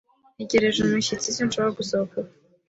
Ntegereje umushyitsi, sinshobora gusohoka ubu.